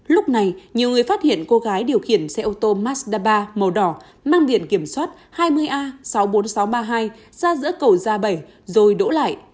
lúc này nhiều người phát hiện cô gái điều khiển xe ô tô mazdaba màu đỏ mang biển kiểm soát hai mươi a sáu mươi bốn nghìn sáu trăm ba mươi hai ra giữa cầu gia bảy rồi đổ lại